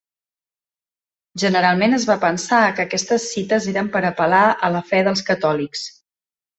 Generalment es va pensar que aquestes cites eren per apel·lar a la fe dels catòlics.